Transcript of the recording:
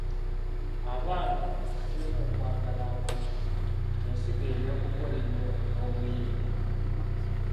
Abaana abasizeemu okwagala abantu, ensigo ey'okukola ennyo n'obuyiiya.